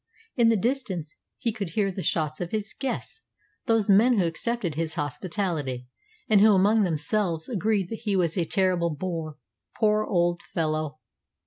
In the distance he could hear the shots of his guests, those men who accepted his hospitality, and who among themselves agreed that he was "a terrible bore, poor old fellow!"